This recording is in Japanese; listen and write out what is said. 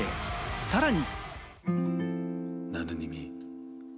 さらに。